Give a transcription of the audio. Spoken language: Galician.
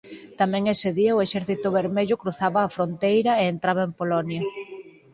Tamén ese día o Exército Vermello cruzaba a fronteira e entraba en Polonia.